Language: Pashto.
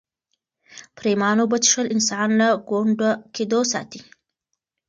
پرېمانه اوبه څښل انسان له ګونډه کېدو ساتي.